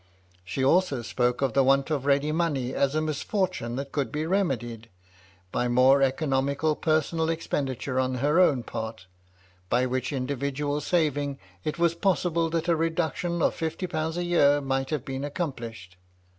She also spoke MY LADY LUDLOW. 277 of the want of ready money as a misfortune that could be remedied, by more economical personal expenditure on her own part ; by which individual saving, it was possible that a reduction of fifty pounds a year might have been accomplished.